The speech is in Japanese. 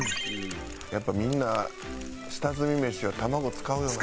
やっぱみんな下積みメシは卵使うよな。